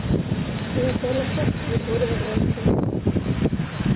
Vi måste hålla fast vid vår överenskommelse.